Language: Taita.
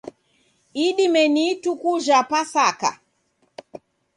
Idime ni ituku jha pasaka